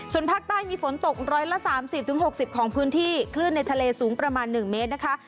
ส่วนภาคใต้มีฝนตกร้อยละสามสิบถึงหกสิบของพื้นที่คลื่นในทะเลสูงประมาณหนึ่งเมตรนะคะ